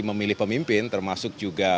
memilih pemimpin termasuk juga